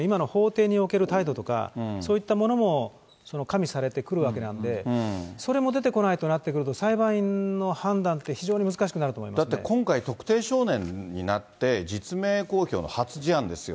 法廷における態度というのは、やっぱり、今の法廷における態度とか、そういったものも加味されてくるわけなんで、それも出てこないとなってくると、裁判員の判断って、非常に難しくなると思いまだって、今回、特定少年になって、実名公表の初事案ですよ。